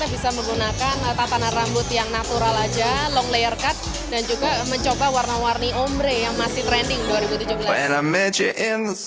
bisa menggunakan tatanan rambut yang natural aja long layer cut dan juga mencoba warna warni omre yang masih trending dua ribu tujuh belas